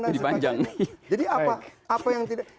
dan sebagainya jadi apa yang tidak